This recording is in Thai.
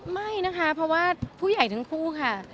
ไม่นะคะเพราะว่าผู้ใหญ่ทั้งคู่ค่ะ